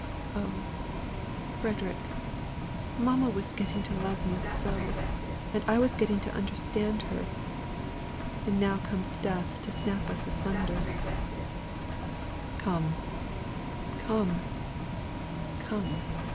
Oh, Frederick! mamma was getting to love me so! And I was getting to understand her. And now comes death to snap us asunder!" "Come, come, come!